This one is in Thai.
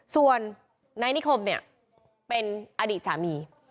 ส่วนนายนิคมเนี่ยเป็นอดีตสามี